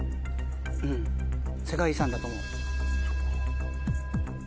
世界遺産だと思う。